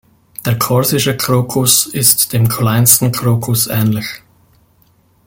Der Korsische Krokus ist dem Kleinsten Krokus ähnlich.